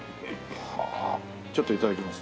ちょっといただきます。